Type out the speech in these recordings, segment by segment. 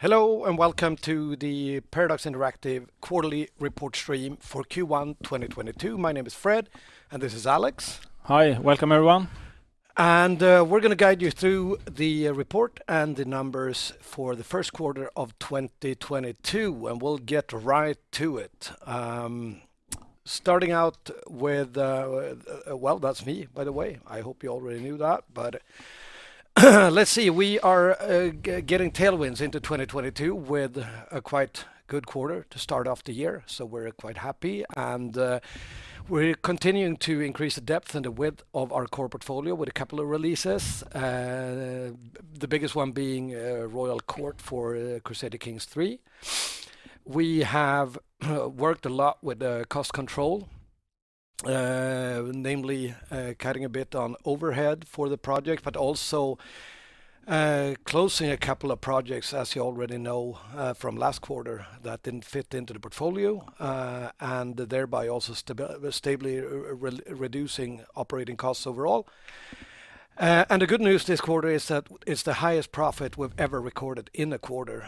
Hello and welcome to the Paradox Interactive quarterly report stream for Q1 2022. My name is Fred, and this is Alex. Hi. Welcome, everyone. We're gonna guide you through the report and the numbers for the first quarter of 2022, and we'll get right to it. Starting out with, that's me, by the way. I hope you already knew that, but let's see. We are getting tailwinds into 2022 with a quite good quarter to start off the year. We're quite happy, and we're continuing to increase the depth and the width of our core portfolio with a couple of releases. The biggest one being Royal Court for Crusader Kings III. We have worked a lot with cost control, namely, cutting a bit on overhead for the project, but also, closing a couple of projects as you already know, from last quarter that didn't fit into the portfolio, and thereby also substantially reducing operating costs overall. The good news this quarter is that it's the highest profit we've ever recorded in a quarter,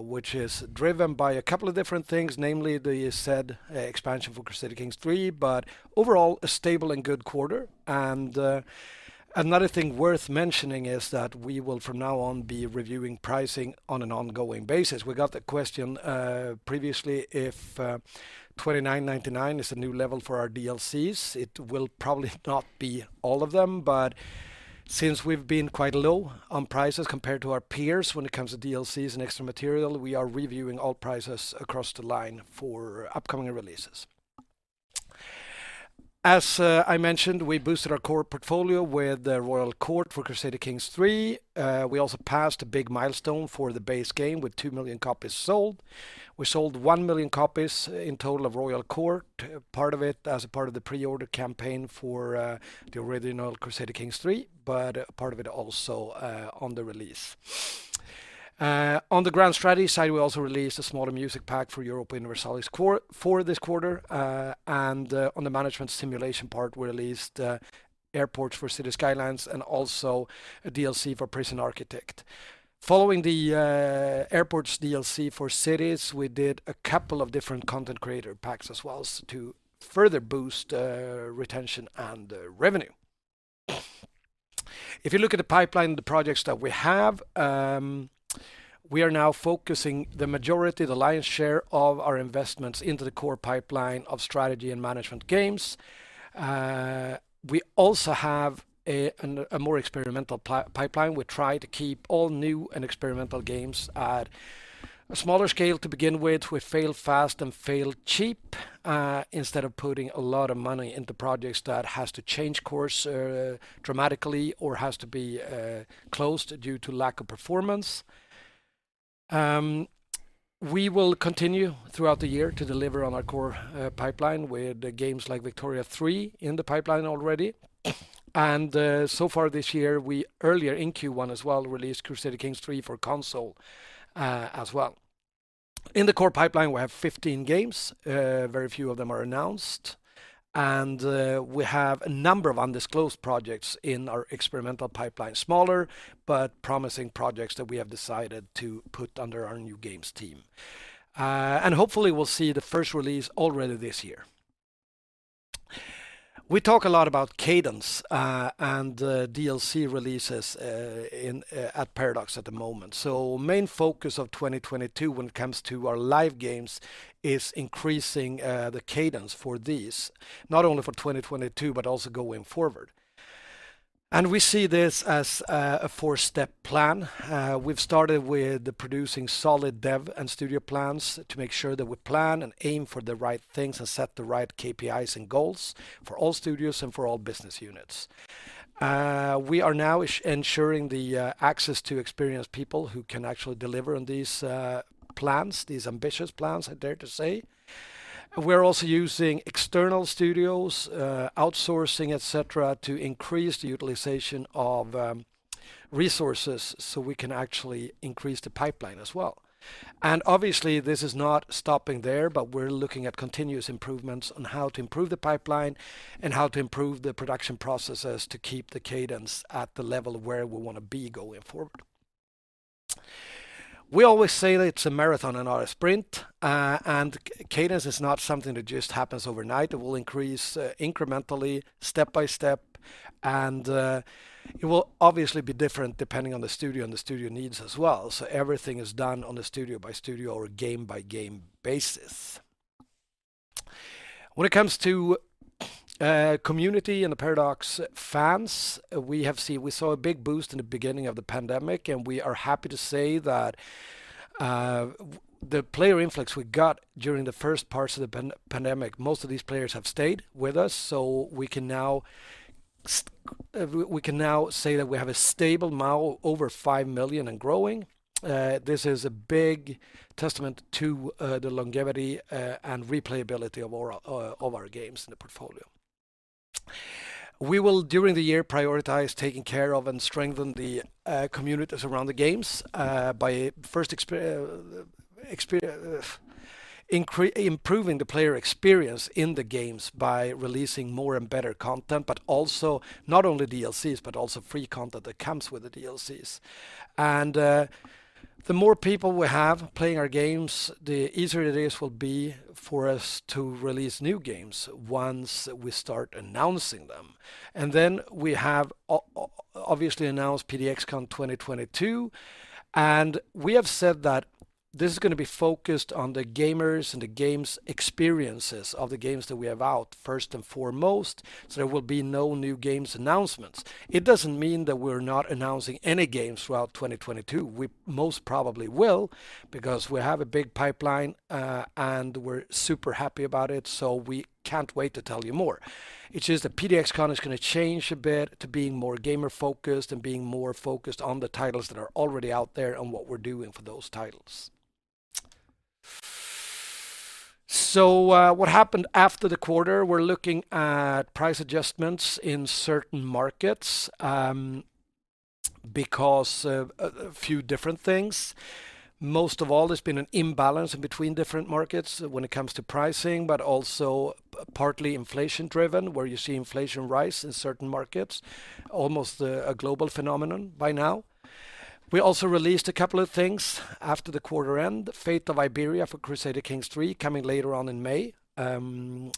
which is driven by a couple of different things, namely the said expansion for Crusader Kings III, but overall, a stable and good quarter. Another thing worth mentioning is that we will from now on be reviewing pricing on an ongoing basis. We got the question previously if $29.99 is a new level for our DLCs. It will probably not be all of them, but since we've been quite low on prices compared to our peers when it comes to DLCs and extra material, we are reviewing all prices across the line for upcoming releases. As I mentioned, we boosted our core portfolio with the Royal Court for Crusader Kings III. We also passed a big milestone for the base game with 2 million copies sold. We sold 1 million copies in total of Royal Court, part of it as a part of the pre-order campaign for the original Crusader Kings III, but part of it also on the release. On the grand strategy side, we also released a smaller music pack for Europa Universalis IV, this quarter. On the management simulation part, we released Airports for Cities: Skylines and also a DLC for Prison Architect. Following the Airports DLC for Cities, we did a couple of different content creator packs as well to further boost retention and revenue. If you look at the pipeline, the projects that we have, we are now focusing the majority, the lion's share of our investments into the core pipeline of strategy and management games. We also have a more experimental pipeline. We try to keep all new and experimental games at a smaller scale to begin with. We fail fast and fail cheap, instead of putting a lot of money into projects that has to change course, dramatically or has to be closed due to lack of performance. We will continue throughout the year to deliver on our core pipeline with games like Victoria 3 in the pipeline already. So far this year, we earlier in Q1 as well released Crusader Kings III for console, as well. In the core pipeline, we have 15 games. Very few of them are announced. We have a number of undisclosed projects in our experimental pipeline, smaller but promising projects that we have decided to put under our new games team. Hopefully we'll see the first release already this year. We talk a lot about cadence and DLC releases in at Paradox at the moment. Main focus of 2022 when it comes to our live games is increasing the cadence for these, not only for 2022, but also going forward. We see this as a four-step plan. We've started with producing solid dev and studio plans to make sure that we plan and aim for the right things and set the right KPIs and goals for all studios and for all business units. We are now ensuring the access to experienced people who can actually deliver on these plans, these ambitious plans, I dare to say. We're also using external studios, outsourcing, etc., to increase the utilization of resources so we can actually increase the pipeline as well. Obviously, this is not stopping there, but we're looking at continuous improvements on how to improve the pipeline and how to improve the production processes to keep the cadence at the level where we wanna be going forward. We always say that it's a marathon and not a sprint, and cadence is not something that just happens overnight. It will increase incrementally step by step, and it will obviously be different depending on the studio and the studio needs as well. Everything is done on a studio-by-studio or a game-by-game basis. When it comes to community and the Paradox fans, we saw a big boost in the beginning of the pandemic, and we are happy to say that the player influx we got during the first parts of the pandemic, most of these players have stayed with us, so we can now say that we have a stable now over 5 million and growing. This is a big testament to the longevity and replayability of our games in the portfolio. We will, during the year, prioritize taking care of and strengthen the communities around the games by first improving the player experience in the games by releasing more and better content, but also not only DLCs, but also free content that comes with the DLCs. The more people we have playing our games, the easier it will be for us to release new games once we start announcing them. We have obviously announced PDXCON 2022, and we have said that this is gonna be focused on the gamers and the games experiences of the games that we have out first and foremost, so there will be no new games announcements. It doesn't mean that we're not announcing any games throughout 2022. We most probably will because we have a big pipeline, and we're super happy about it, so we can't wait to tell you more. It's just that PDXCON is gonna change a bit to being more gamer-focused and being more focused on the titles that are already out there and what we're doing for those titles. What happened after the quarter, we're looking at price adjustments in certain markets, because of a few different things. Most of all, there's been an imbalance in between different markets when it comes to pricing, but also partly inflation-driven, where you see inflation rise in certain markets, almost a global phenomenon by now. We also released a couple of things after the quarter end, Fate of Iberia for Crusader Kings III coming later on in May. The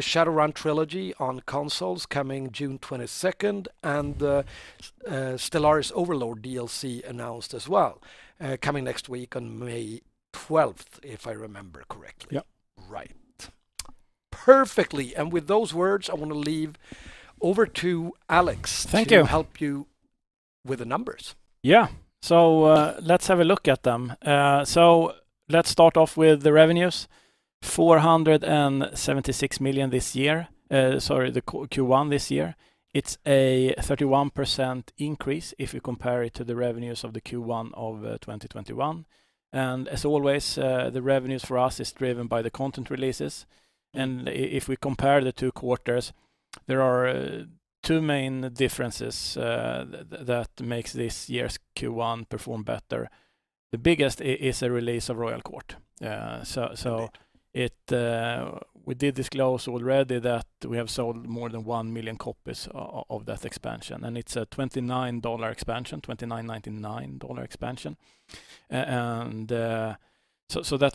Shadowrun Trilogy on consoles coming June 22nd, and Stellaris: Overlord DLC announced as well, coming next week on May 12th, if I remember correctly. Yep. Right. Perfectly, with those words, I wanna hand over to Alex, Thank you. to help you with the numbers. Yeah. Let's have a look at them. Let's start off with the revenues, 476 million this year, sorry, the Q1 this year. It's a 31% increase if you compare it to the revenues of the Q1 of 2021. As always, the revenues for us is driven by the content releases. If we compare the two quarters, there are two main differences, that makes this year's Q1 perform better. The biggest is the release of Royal Court. Okay We did disclose already that we have sold more than 1 million copies of that expansion, and it's a $29 expansion, $29.99 expansion. That,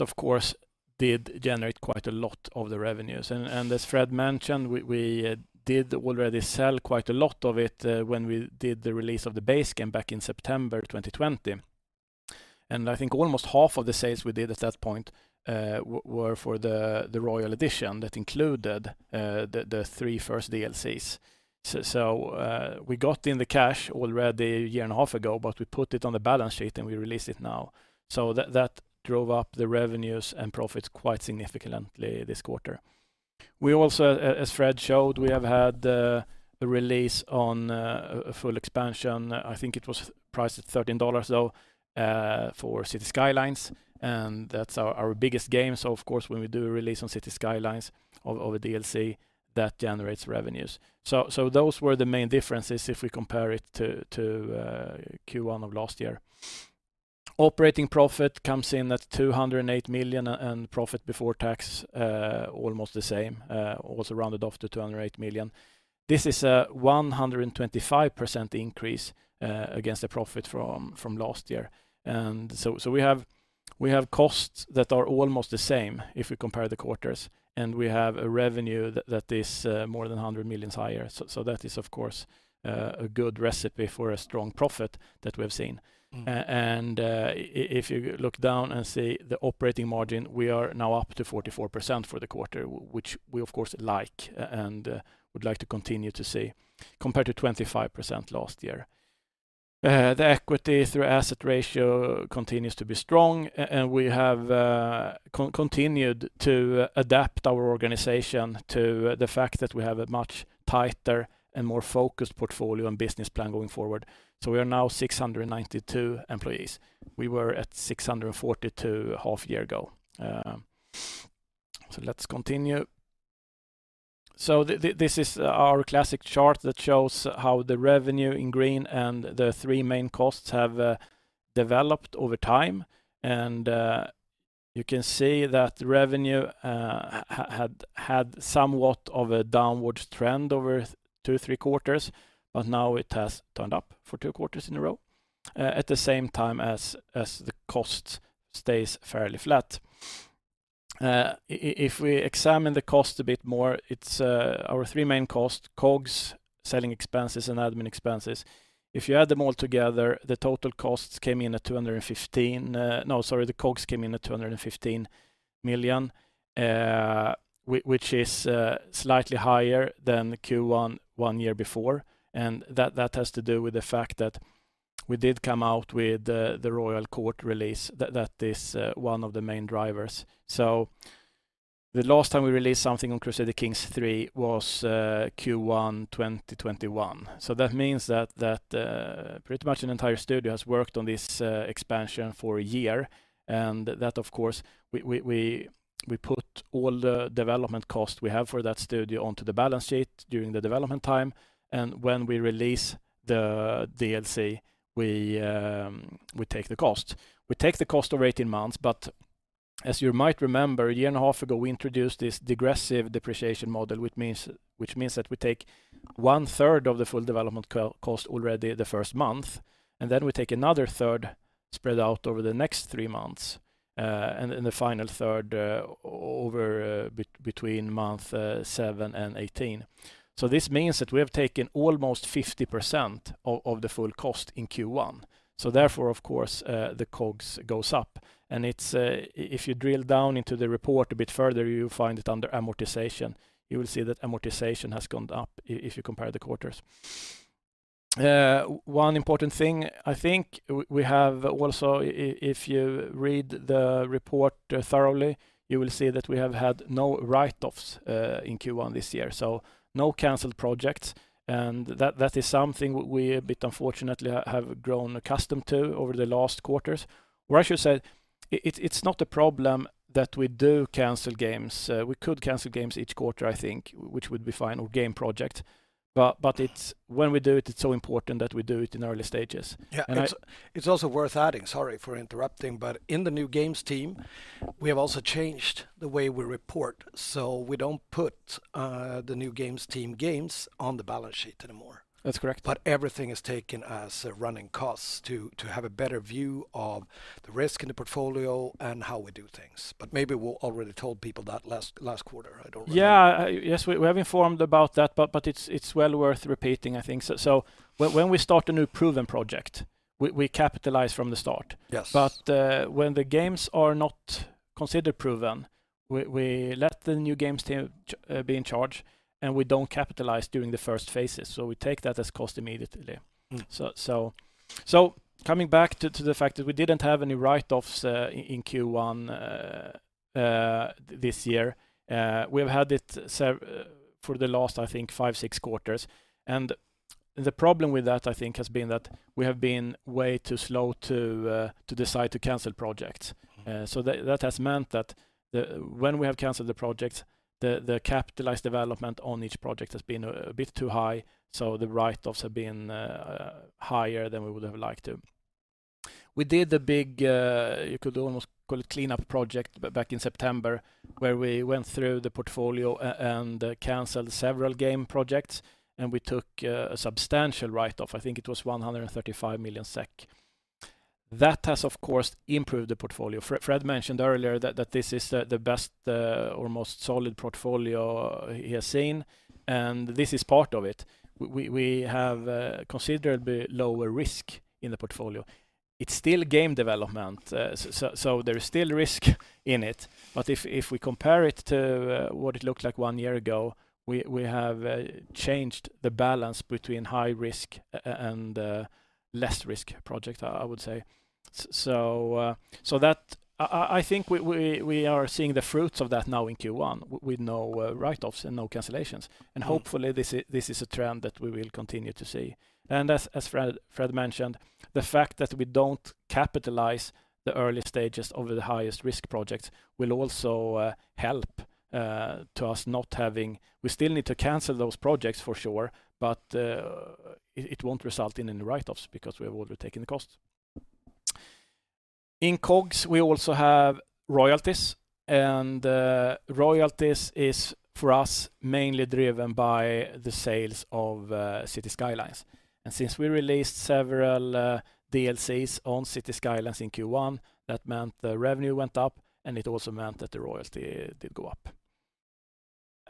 of course, did generate quite a lot of the revenues. As Fred mentioned, we did already sell quite a lot of it when we did the release of the base game back in September 2020. I think almost half of the sales we did at that point were for the Royal Edition that included the three first DLCs. We got the cash in already a year and a half ago, but we put it on the balance sheet, and we release it now. That drove up the revenues and profits quite significantly this quarter. We also, as Fredrik showed, we have had a release on a full expansion. I think it was priced at $13, though, for Cities: Skylines, and that's our biggest game. Of course, when we do a release on Cities: Skylines of a DLC, that generates revenues. Those were the main differences if we compare it to Q1 of last year. Operating profit comes in at 208 million, and profit before tax almost the same, also rounded off to 208 million. This is a 125% increase against the profit from last year. We have costs that are almost the same if we compare the quarters, and we have a revenue that is more than 100 million higher. That is, of course, a good recipe for a strong profit that we have seen. Mm-hmm. If you look down and see the operating margin, we are now up to 44% for the quarter, which we of course like and would like to continue to see, compared to 25% last year. The equity to asset ratio continues to be strong, and we have continued to adapt our organization to the fact that we have a much tighter and more focused portfolio and business plan going forward. We are now 692 employees. We were at 642 half a year ago. Let's continue. This is our classic chart that shows how the revenue in green and the three main costs have developed over time. You can see that revenue had somewhat of a downward trend over two to three quarters, but now it has turned up for two quarters in a row at the same time as the cost stays fairly flat. If we examine the cost a bit more, it's our three main costs, COGS, selling expenses, and admin expenses. If you add them all together, the COGS came in at 215 million, which is slightly higher than the Q1 one year before. That has to do with the fact that we did come out with the Royal Court release. That is one of the main drivers. The last time we released something on Crusader Kings III was Q1 2021. That means pretty much an entire studio has worked on this expansion for a year. That, of course, we put all the development cost we have for that studio onto the balance sheet during the development time. When we release the DLC, we take the cost. We take the cost over 18 months, but as you might remember, a year and a half ago, we introduced this degressive depreciation model, which means that we take 1/3 of the full development cost already the first month, and then we take another third spread out over the next three months, and the final third over between month seven and 18. This means that we have taken almost 50% of the full cost in Q1. Therefore, of course, the COGS goes up, and it's, if you drill down into the report a bit further, you will find it under amortization. You will see that amortization has gone up if you compare the quarters. One important thing, I think we have also if you read the report thoroughly, you will see that we have had no write-offs in Q1 this year, so no canceled projects, and that is something we a bit unfortunately have grown accustomed to over the last quarters. Or I should say it's not a problem that we do cancel games. We could cancel games each quarter, I think, which would be fine or game project. But it's when we do it's so important that we do it in early stages. Yeah, it's also worth adding, sorry for interrupting, but in the new games team, we have also changed the way we report. We don't put the new games team games on the balance sheet anymore. That's correct. Everything is taken as running costs to have a better view of the risk in the portfolio and how we do things. Maybe we already told people that last quarter. I don't remember. Yeah. Yes, we have informed about that, but it's well worth repeating, I think. When we start a new proven project, we capitalize from the start. Yes. When the games are not considered proven, we let the new games team be in charge, and we don't capitalize during the first phases. We take that as cost immediately. Mm. Coming back to the fact that we didn't have any write-offs in Q1 this year, we've had it for the last, I think, five, six quarters. The problem with that, I think, has been that we have been way too slow to decide to cancel projects. Mm. That has meant that when we have canceled the project, the capitalized development on each project has been a bit too high, so the write-offs have been higher than we would have liked to. We did a big you could almost call it cleanup project back in September, where we went through the portfolio and canceled several game projects, and we took a substantial write-off. I think it was 135 million SEK. That has, of course, improved the portfolio. Fred mentioned earlier that this is the best or most solid portfolio he has seen, and this is part of it. We have considerably lower risk in the portfolio. It's still game development, so there is still risk in it. If we compare it to what it looked like one year ago, we have changed the balance between high risk and less risk project, I would say. So that I think we are seeing the fruits of that now in Q1 with no write-offs and no cancellations. Hopefully this is a trend that we will continue to see. As Fred mentioned, the fact that we don't capitalize the early stages of the highest-risk projects will also help. We still need to cancel those projects for sure, but it won't result in any write-offs because we have already taken the cost. In COGS, we also have royalties, and royalties is for us mainly driven by the sales of Cities: Skylines. Since we released several DLCs on Cities: Skylines in Q1, that meant the revenue went up and it also meant that the royalty did go up.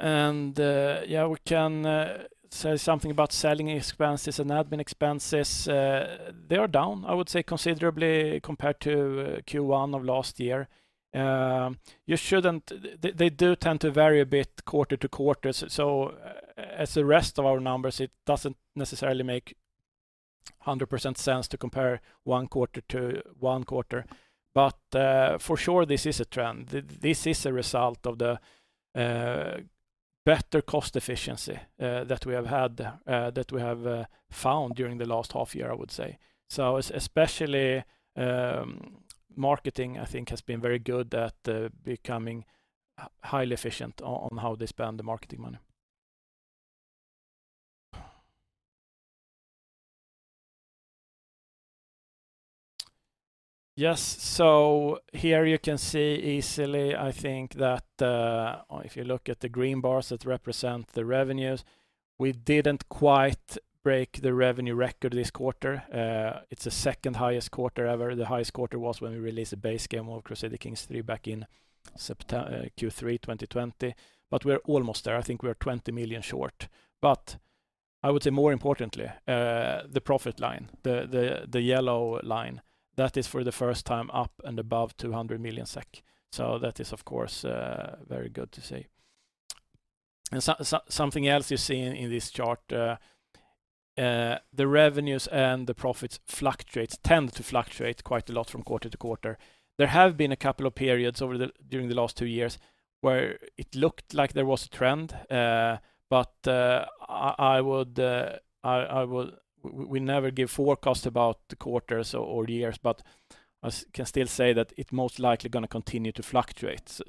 Yeah, we can say something about selling expenses and admin expenses. They are down, I would say considerably compared to Q1 of last year. They do tend to vary a bit quarter-to-quarter. As the rest of our numbers, it doesn't necessarily make 100% sense to compare one quarter to one quarter. For sure, this is a trend. This is a result of the better cost efficiency that we have had that we have found during the last half year, I would say. Especially, marketing, I think has been very good at becoming highly efficient on how they spend the marketing money. Yes. Here you can see easily, I think that, if you look at the green bars that represent the revenues, we didn't quite break the revenue record this quarter. It's the second highest quarter ever. The highest quarter was when we released the base game of Crusader Kings III back in Q3 2020. We're almost there. I think we are 20 million short. I would say more importantly, the profit line, the yellow line, that is for the first time up and above 200 million SEK. That is, of course, very good to see. Something else you see in this chart, the revenues and the profits tend to fluctuate quite a lot from quarter to quarter. There have been a couple of periods during the last two years where it looked like there was a trend. We never give forecast about the quarters or the years, but I can still say that it most likely gonna continue to fluctuate.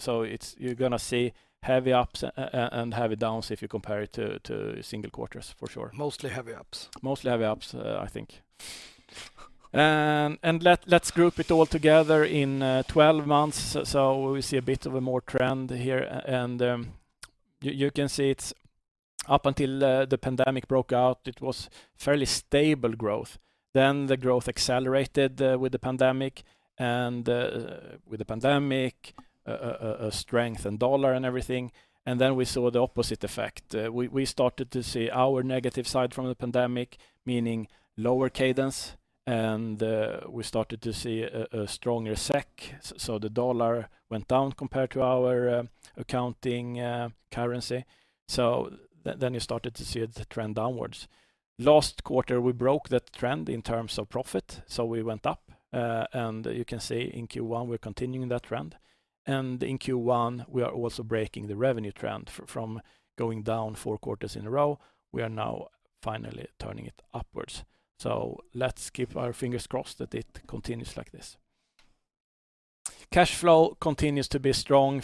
You're gonna see heavy ups and heavy downs if you compare it to single quarters for sure. Mostly heavy ups. Mostly heavy ups, I think. Let's group it all together in 12 months. We see a bit more of a trend here, and you can see it's up until the pandemic broke out. It was fairly stable growth. The growth accelerated with the pandemic and the strength of the dollar and everything, and we saw the opposite effect. We started to see our negative side from the pandemic, meaning lower cadence, and we started to see a stronger SEK, so the dollar went down compared to our accounting currency. You started to see the trend downwards. Last quarter, we broke that trend in terms of profit, so we went up. You can see in Q1 we're continuing that trend. In Q1, we are also breaking the revenue trend from going down four quarters in a row, we are now finally turning it upwards. Let's keep our fingers crossed that it continues like this. Cash flow continues to be strong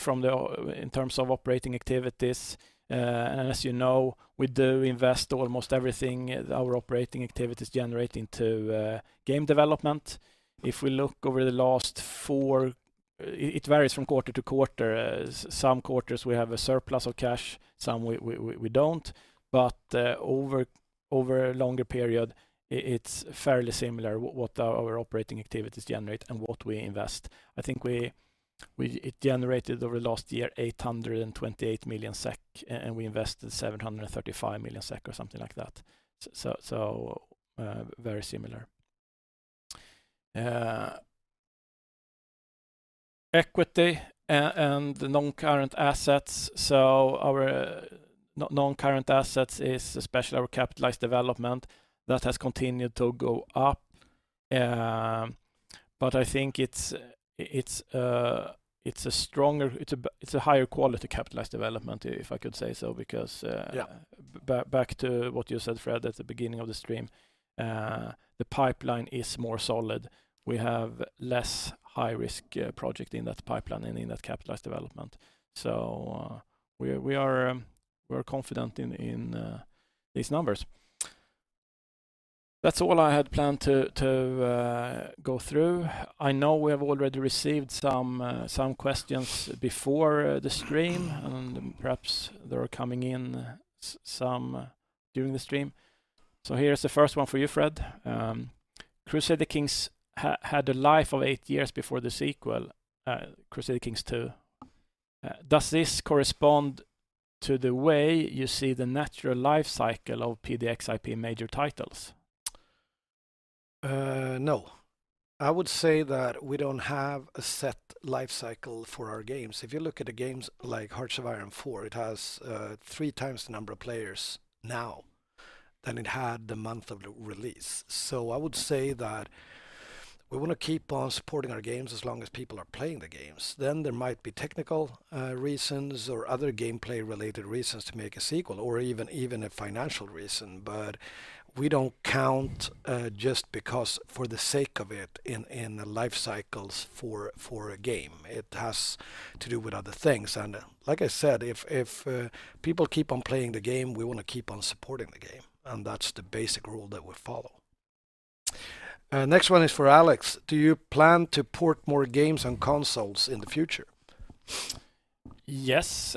in terms of operating activities. As you know, we do invest almost everything our operating activities generate into game development. If we look over the last four, it varies from quarter to quarter. Some quarters we have a surplus of cash, some we don't. But over a longer period, it's fairly similar what our operating activities generate and what we invest. I think it generated over last year 828 million SEK and we invested 735 million SEK or something like that. Very similar. Equity and non-current assets. Our non-current assets is especially our capitalized development that has continued to go up. I think it's a higher quality capitalized development, if I could say so, because Yeah Back to what you said, Fred, at the beginning of the stream, the pipeline is more solid. We have less high-risk project in that pipeline and in that capitalized development. We are confident in these numbers. That's all I had planned to go through. I know we have already received some questions before the stream, and perhaps there are coming in some during the stream. Here's the first one for you, Fred. Crusader Kings had a life of eight years before the sequel, Crusader Kings II. Does this correspond to the way you see the natural life cycle of PDX IP major titles? No. I would say that we don't have a set life cycle for our games. If you look at the games like Hearts of Iron IV, it has 3x the number of players now than it had the month of the release. I would say that we wanna keep on supporting our games as long as people are playing the games. There might be technical reasons or other gameplay-related reasons to make a sequel or even a financial reason. We don't count just because for the sake of it in the life cycles for a game. It has to do with other things. Like I said, if people keep on playing the game, we wanna keep on supporting the game, and that's the basic rule that we follow. Next one is for Alex: Do you plan to port more games on consoles in the future? Yes.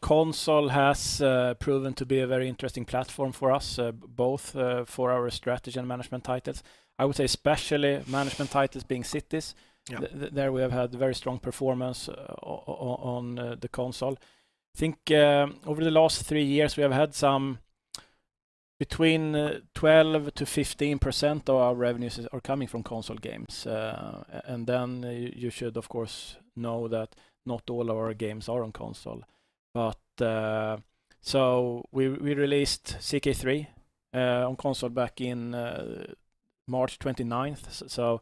Console has proven to be a very interesting platform for us, both for our strategy and management titles. I would say especially management titles being Cities. Yeah. There we have had very strong performance on the console. I think, over the last three years, we have had some between 12%-15% of our revenues are coming from console games. And then you should, of course, know that not all of our games are on console. We released CK3 on console back in March 29th.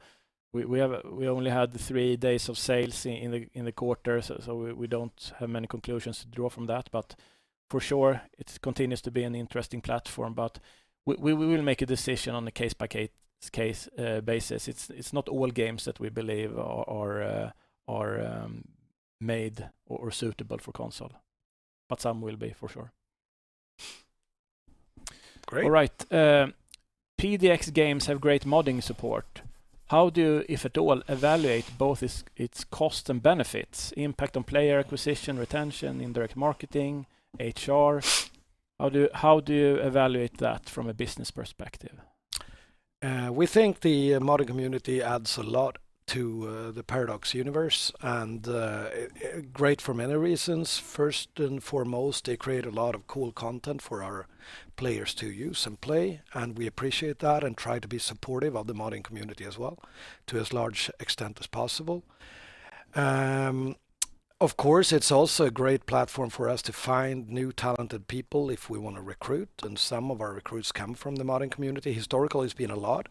We only had the three days of sales in the quarter, so we don't have many conclusions to draw from that. For sure it continues to be an interesting platform. We will make a decision on a case-by-case basis. It's not all games that we believe are made or suitable for console, but some will be for sure. Great. All right. PDX games have great modding support. How do you, if at all, evaluate both its cost and benefits, impact on player acquisition, retention, indirect marketing, HR? How do you evaluate that from a business perspective? We think the modding community adds a lot to the Paradox universe and great for many reasons. First and foremost, they create a lot of cool content for our players to use and play, and we appreciate that and try to be supportive of the modding community as well to as large extent as possible. Of course, it's also a great platform for us to find new talented people if we wanna recruit, and some of our recruits come from the modding community. Historically has been a lot.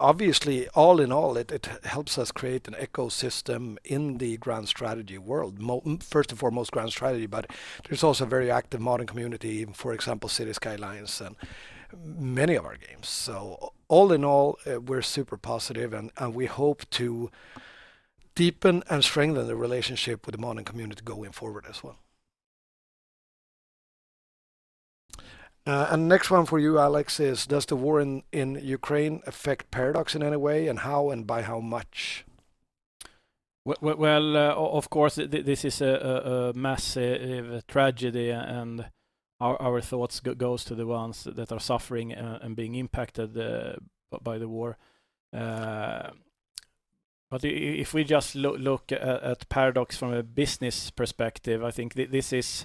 Obviously all in all, it helps us create an ecosystem in the grand strategy world. First and foremost, grand strategy, but there's also a very active modding community, for example, Cities: Skylines and many of our games. All in all, we're super positive and we hope to deepen and strengthen the relationship with the modding community going forward as well. Next one for you, Alex, is does the war in Ukraine affect Paradox in any way, and how and by how much? Well, of course this is a massive tragedy and our thoughts goes to the ones that are suffering and being impacted by the war. If we just look at Paradox from a business perspective, I think this is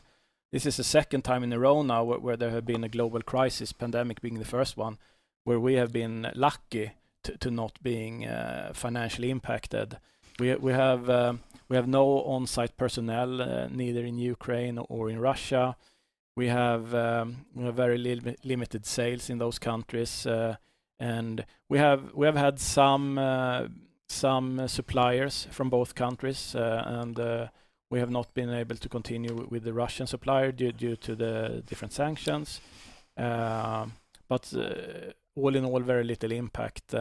the second time in a row now where there have been a global crisis, pandemic being the first one, where we have been lucky to not being financially impacted. We have no on-site personnel, neither in Ukraine or in Russia. We have very limited sales in those countries, and we have had some suppliers from both countries, and we have not been able to continue with the Russian supplier due to the different sanctions. All in all, very little impact.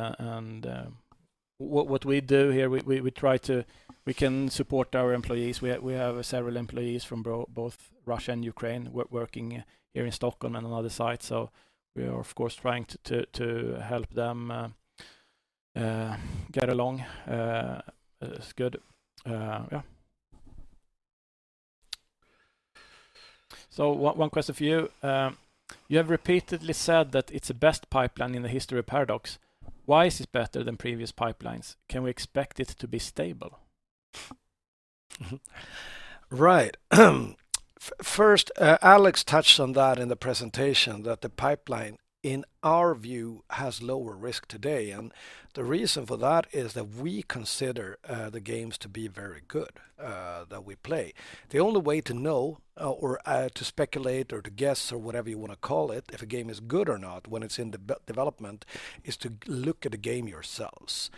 We can support our employees. We have several employees from both Russia and Ukraine working here in Stockholm and on other sites, so we are, of course, trying to help them get along as good. One question for you. You have repeatedly said that it's the best pipeline in the history of Paradox. Why is this better than previous pipelines? Can we expect it to be stable? Right. First, Alex touched on that in the presentation that the pipeline in our view has lower risk today, and the reason for that is that we consider the games to be very good that we play. The only way to know or to speculate or to guess or whatever you wanna call it if a game is good or not when it's in development is to look at the game yourselves.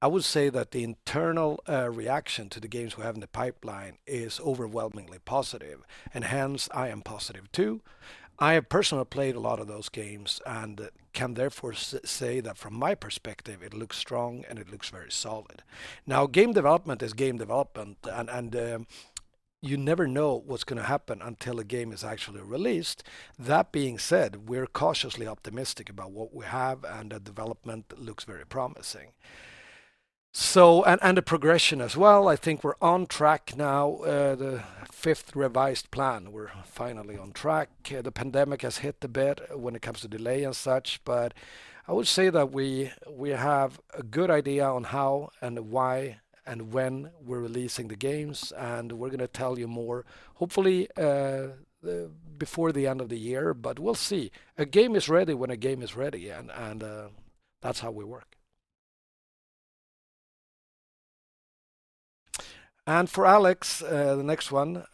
I would say that the internal reaction to the games we have in the pipeline is overwhelmingly positive, and hence, I am positive too. I have personally played a lot of those games and can therefore say that from my perspective it looks strong and it looks very solid. Now, game development is game development, and you never know what's gonna happen until a game is actually released. That being said, we're cautiously optimistic about what we have and the development looks very promising. The progression as well, I think we're on track now. The fifth revised plan, we're finally on track. The pandemic has hit a bit when it comes to delay and such, but I would say that we have a good idea on how and why and when we're releasing the games, and we're gonna tell you more, hopefully, before the end of the year, but we'll see. A game is ready when a game is ready, and that's how we work. For Alex, the next one.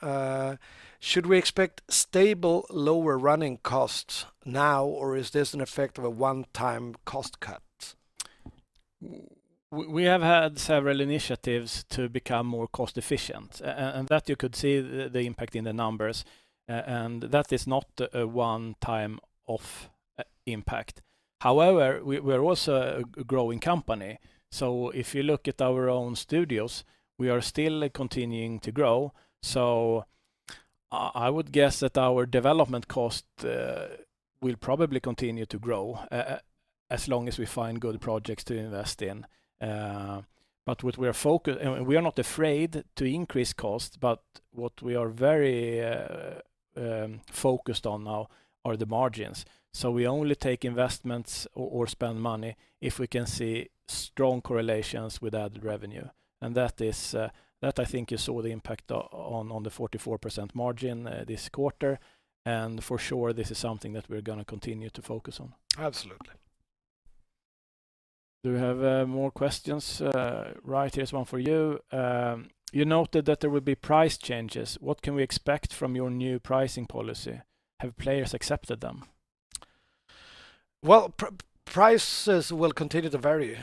Should we expect stable lower running costs now, or is this an effect of a one-time cost cut? We have had several initiatives to become more cost-efficient, and that you could see the impact in the numbers, and that is not a one-time impact. However, we're also a growing company, so if you look at our own studios, we are still continuing to grow. I would guess that our development cost will probably continue to grow as long as we find good projects to invest in. We are not afraid to increase costs, but what we are very focused on now are the margins. We only take investments or spend money if we can see strong correlations with added revenue. That is that I think you saw the impact on the 44% margin this quarter, and for sure this is something that we're gonna continue to focus on. Absolutely. Do we have more questions? Fredrik, one for you. You noted that there will be price changes. What can we expect from your new pricing policy? Have players accepted them? Well, prices will continue to vary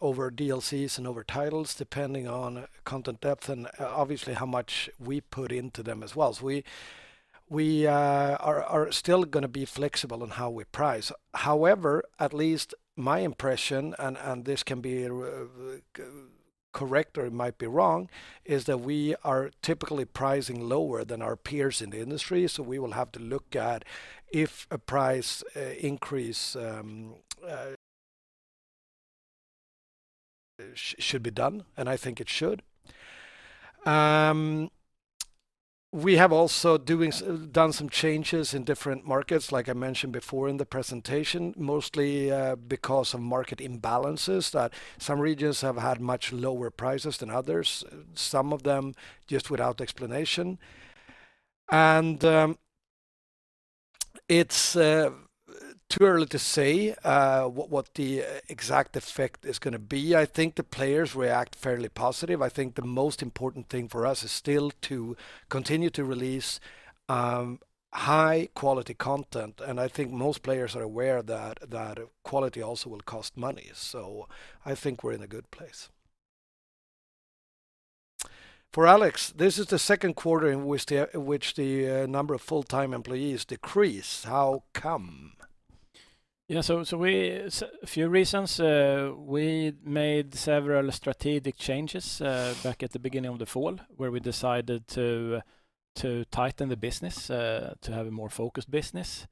over DLCs and over titles, depending on content depth and obviously how much we put into them as well. We are still gonna be flexible on how we price. However, at least my impression, and this can be correct or it might be wrong, is that we are typically pricing lower than our peers in the industry, so we will have to look at if a price increase should be done, and I think it should. We have also done some changes in different markets, like I mentioned before in the presentation, mostly because of market imbalances that some regions have had much lower prices than others, some of them just without explanation. It's too early to say what the exact effect is gonna be. I think the players react fairly positive. I think the most important thing for us is still to continue to release high quality content, and I think most players are aware that that quality also will cost money. I think we're in a good place. For Alexander Bricca, this is the second quarter in which the number of full-time employees decrease. How come? We had a few reasons. We made several strategic changes back at the beginning of the fall where we decided to tighten the business, to have a more focused business,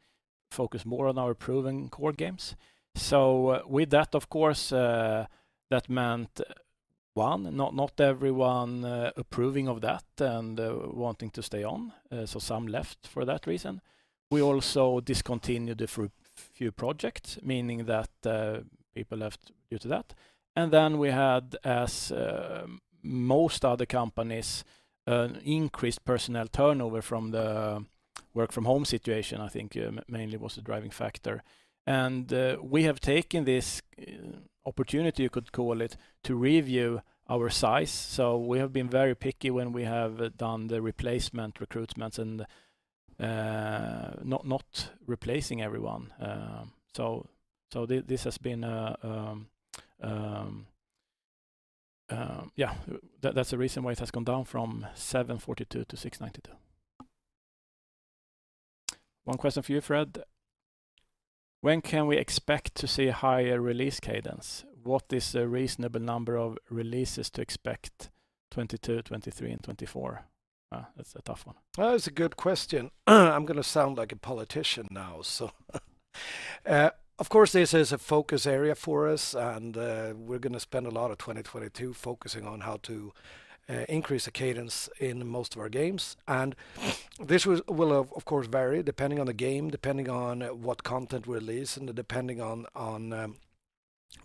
focus more on our proven core games. With that, of course, that meant one, not everyone approving of that and wanting to stay on, so some left for that reason. We also discontinued a few projects, meaning that people left due to that. We had, as most other companies, an increased personnel turnover from the work from home situation. I think mainly was the driving factor. We have taken this opportunity, you could call it, to review our size. We have been very picky when we have done the replacement recruitments and not replacing everyone. This has been the reason why it has gone down from 742 to 692. One question for you, Fredrik: When can we expect to see a higher release cadence? What is a reasonable number of releases to expect 2022, 2023 and 2024? That's a tough one. That is a good question. I'm gonna sound like a politician now, so, of course, this is a focus area for us, and, we're gonna spend a lot of 2022 focusing on how to increase the cadence in most of our games and this will have, of course, vary depending on the game, depending on what content we release, and depending on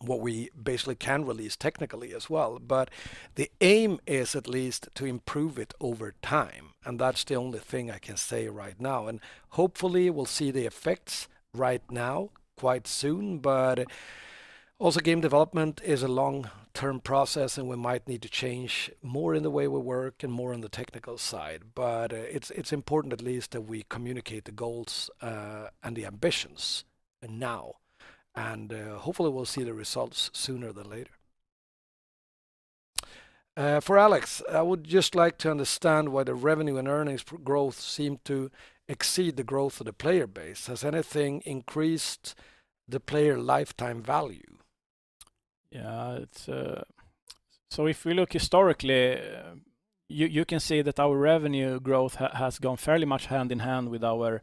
what we basically can release technically as well. But the aim is at least to improve it over time, and that's the only thing I can say right now, and hopefully we'll see the effects right now quite soon. But also game development is a long-term process, and we might need to change more in the way we work and more on the technical side. It's important at least that we communicate the goals and the ambitions now and hopefully we'll see the results sooner than later. For Alex, I would just like to understand why the revenue and earnings growth seem to exceed the growth of the player base. Has anything increased the player lifetime value? If we look historically, you can see that our revenue growth has gone fairly much hand in hand with our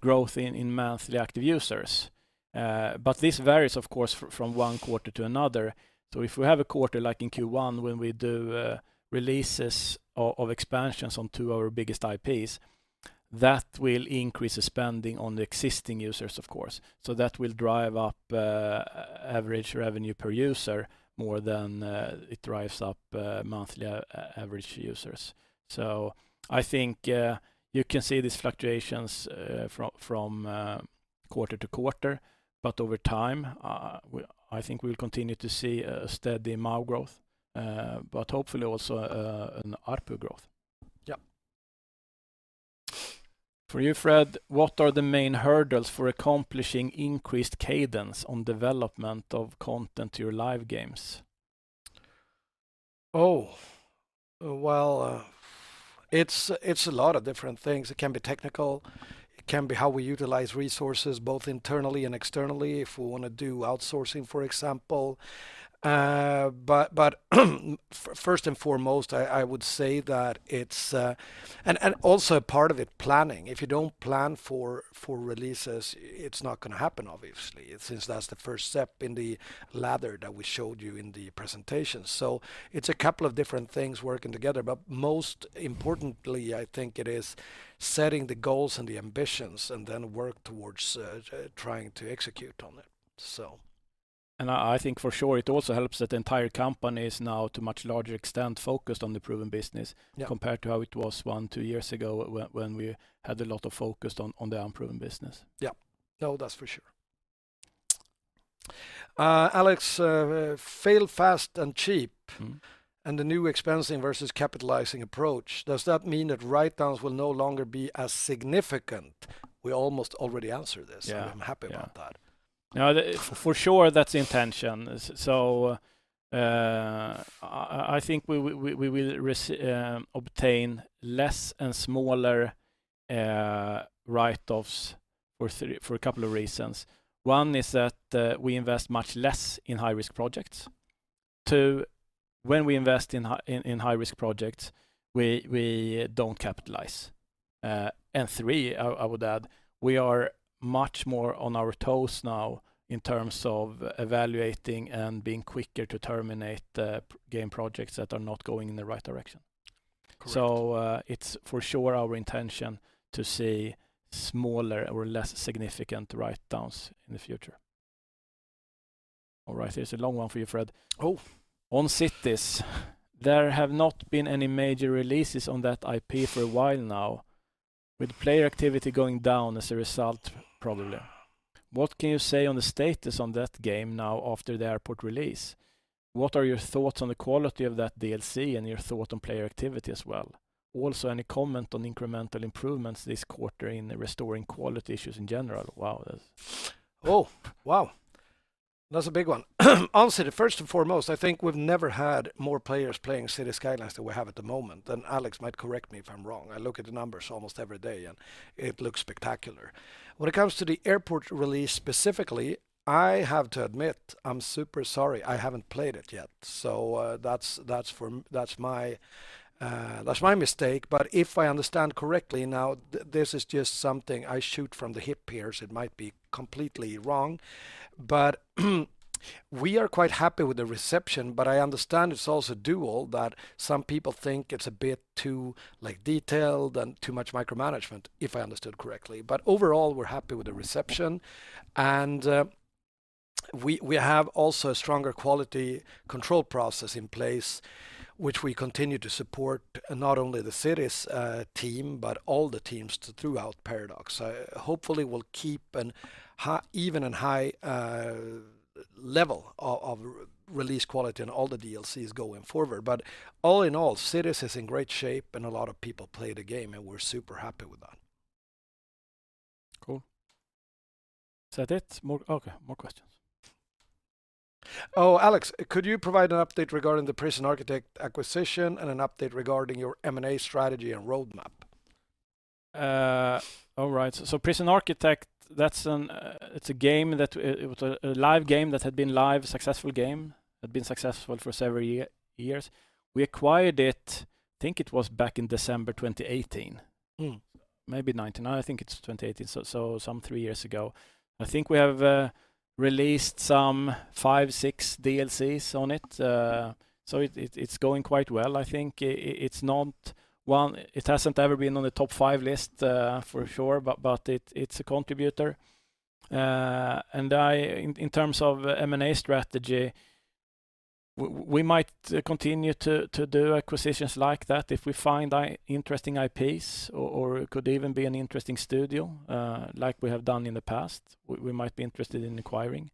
growth in monthly active users. This varies, of course, from one quarter to another. If we have a quarter like in Q1 when we do releases of expansions on two of our biggest IPs, that will increase the spending on the existing users, of course. That will drive up average revenue per user more than it drives up monthly active users. I think you can see these fluctuations from quarter to quarter, but over time, I think we will continue to see a steady MAU growth, but hopefully also an ARPU growth. Yeah. For you, Fred: What are the main hurdles for accomplishing increased cadence on development of content to your live games? It's a lot of different things. It can be technical. It can be how we utilize resources both internally and externally if we wanna do outsourcing, for example. But first and foremost, I would say that it's also part of it planning. If you don't plan for releases, it's not gonna happen obviously since that's the first step in the ladder that we showed you in the presentation. It's a couple of different things working together, but most importantly, I think it is setting the goals and the ambitions and then work towards trying to execute on it. I think for sure it also helps that the entire company is now to a much larger extent focused on the proven business. Yeah Compared to how it was one to two years ago when we had a lot of focus on the unproven business. Yeah. No, that's for sure. Alex, fail fast and cheap. Mm-hmm the new expensing versus capitalizing approach, does that mean that write-downs will no longer be as significant? We almost already answered this. Yeah. I'm happy about that. No, for sure that's the intention. I think we will obtain less and smaller write-offs for a couple of reasons. One is that we invest much less in high-risk projects. Two, when we invest in high-risk projects, we don't capitalize. Three, I would add, we are much more on our toes now in terms of evaluating and being quicker to terminate the game projects that are not going in the right direction. Correct. it's for sure our intention to see smaller or less significant write-downs in the future. All right, here's a long one for you, Fred. Oh. On Cities, there have not been any major releases on that IP for a while now with player activity going down as a result probably. What can you say on the status on that game now after the Airports release? What are your thoughts on the quality of that DLC and your thought on player activity as well? Also, any comment on incremental improvements this quarter in restoring quality issues in general? Oh, wow. That's a big one. Honestly, first and foremost, I think we've never had more players playing Cities: Skylines than we have at the moment, and Alex might correct me if I'm wrong. I look at the numbers almost every day, and it looks spectacular. When it comes to the Airports release specifically, I have to admit, I'm super sorry I haven't played it yet. That's my mistake, but if I understand correctly, now, this is just something I shoot from the hip here, so it might be completely wrong. We are quite happy with the reception, but I understand it's also dual, that some people think it's a bit too, like, detailed and too much micromanagement, if I understood correctly. Overall, we're happy with the reception, and we have also a stronger quality control process in place which we continue to support not only the Cities team, but all the teams throughout Paradox. Hopefully we'll keep an even and high level of release quality in all the DLCs going forward. All in all, Cities is in great shape, and a lot of people play the game, and we're super happy with that. Cool. Is that it? Okay, more questions. Oh, Alex, could you provide an update regarding the Prison Architect acquisition and an update regarding your M&A strategy and roadmap? All right. Prison Architect, that's a game that was a live, successful game. It had been successful for several years. We acquired it, I think it was back in December 2018. Mm. Maybe 2019. I think it's 2018, so some three years ago. I think we have released some five, six DLCs on it. It's going quite well. I think it hasn't ever been on the top five list, for sure, but it's a contributor. In terms of M&A strategy, we might continue to do acquisitions like that if we find interesting IPs or it could even be an interesting studio, like we have done in the past, we might be interested in acquiring.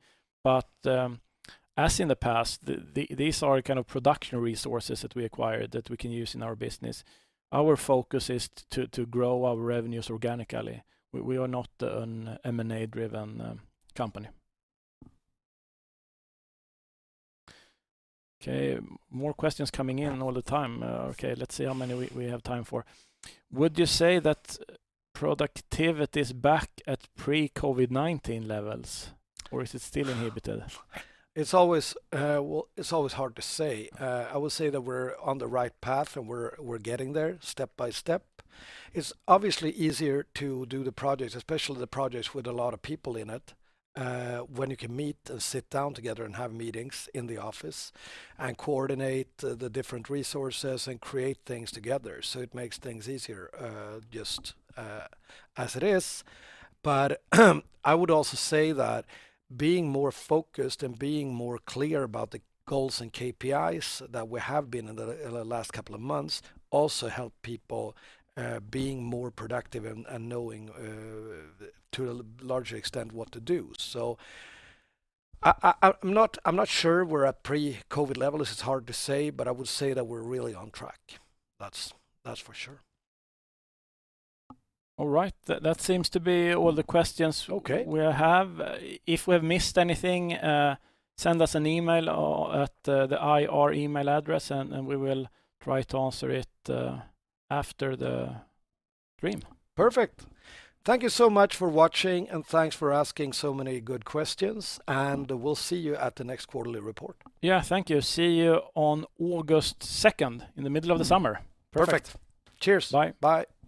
As in the past, these are kind of production resources that we acquire that we can use in our business. Our focus is to grow our revenues organically. We are not an M&A-driven company. Okay, more questions coming in all the time. Okay, let's see how many we have time for. Would you say that productivity is back at pre-COVID-19 levels, or is it still inhibited? It's always well, it's always hard to say. I will say that we're on the right path, and we're getting there step by step. It's obviously easier to do the projects, especially the projects with a lot of people in it, when you can meet and sit down together and have meetings in the office and coordinate the different resources and create things together, so it makes things easier, just as it is. I would also say that being more focused and being more clear about the goals and KPIs that we have been in the last couple of months also help people being more productive and knowing to a larger extent what to do. I'm not sure we're at pre-COVID levels. It's hard to say, but I would say that we're really on track. That's for sure. All right. That seems to be all the questions. Okay We have. If we have missed anything, send us an email at the IR email address, and we will try to answer it after the stream. Perfect. Thank you so much for watching, and thanks for asking so many good questions. We'll see you at the next quarterly report. Yeah. Thank you. See you on August 2nd in the middle of the summer. Perfect. Cheers. Bye. Bye.